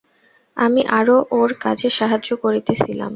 আমি আরো ওঁর কাজে সাহায্য করিতেছিলাম।